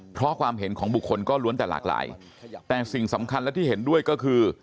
เพราะความเห็นของบุคคลก็ล้วนแต่หลากหลายแต่สิ่งสำคัญและที่เห็นด้วยก็คือ